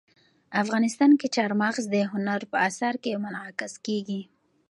افغانستان کې چار مغز د هنر په اثار کې منعکس کېږي.